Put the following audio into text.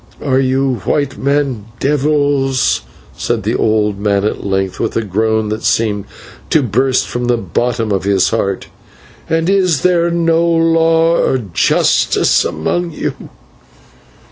"Are you white men then devils?" said the old man at length, with a groan that seemed to burst from the bottom of his heart, "and is there no law or justice among you?"